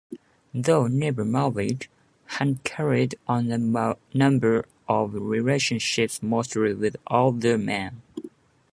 Though never married, Hunt carried on a number of relationships, mostly with older men.